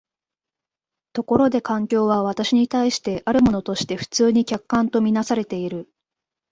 ところで環境は私に対してあるものとして普通に客観と看做されている。